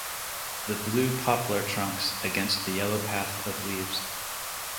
The blue poplar trunks against the yellow path of leaves.